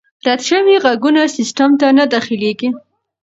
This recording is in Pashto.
رد شوي ږغونه سیسټم ته نه داخلیږي.